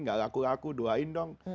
gak laku laku doain dong